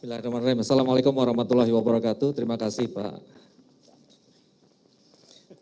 assalamualaikum warahmatullahi wabarakatuh terima kasih pak